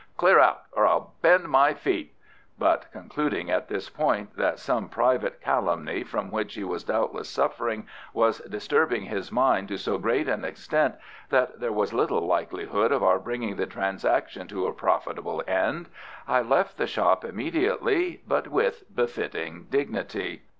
"Clear out, or I'll bend my feet " but concluding at this point that some private calumny from which he was doubtless suffering was disturbing his mind to so great an extent that there was little likelihood of our bringing the transaction to a profitable end, I left the shop immediately but with befitting dignity.